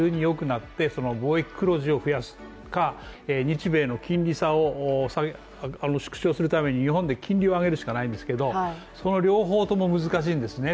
なって貿易黒字を増やすか日米の金利差を縮小するために日本で金利を上げるしかないんですけどその両方とも難しいんですね。